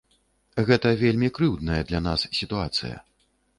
Гэта вельмі крыўдная для нас сітуацыя.